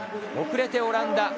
遅れてオランダ。